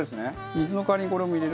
水の代わりにこれも入れる感じだ。